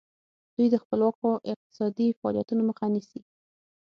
دوی د خپلواکو اقتصادي فعالیتونو مخه نیسي.